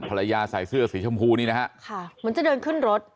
ใส่เสื้อสีชมพูนี่นะฮะค่ะเหมือนจะเดินขึ้นรถ